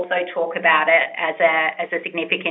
juga membicarakannya sebagai hal yang signifikan